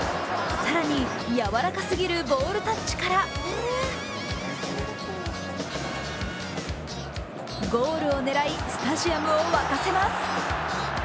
更にやわらかすぎるボールタッチからゴールを狙いスタジアムを沸かせます。